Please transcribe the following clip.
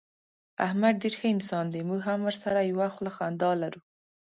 احمد ډېر ښه انسان دی. موږ هم ورسره یوه خوله خندا لرو.